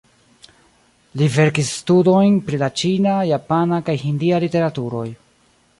Li verkis studojn pri la ĉina, japana kaj hindia literaturoj.